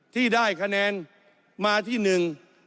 ที่ได้คะแนนมาที่หนึ่ง